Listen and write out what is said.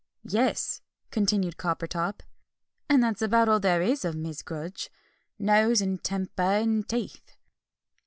"Yes," continued Coppertop, "and that's about all there is of Mrs. Grudge nose, and temper, and teeth."